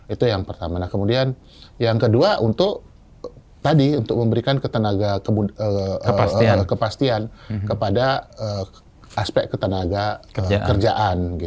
itu yang pertama nah kemudian yang kedua untuk tadi untuk memberikan kepastian kepada aspek ketenaga kerjaan